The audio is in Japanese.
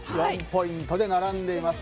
４ポイントで並んでいます。